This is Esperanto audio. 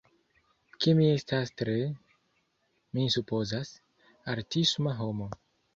ke mi estas tre, mi supozas, artisma homo